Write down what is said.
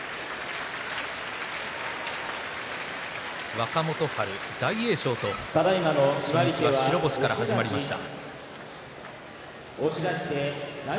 若元春、大栄翔と白星から始まりました。